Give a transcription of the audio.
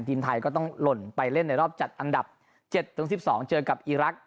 ทีมไทยก็ต้องหล่นไปเล่นในรอบจัดอันดับ๗๑๒เจอกับอีรักษ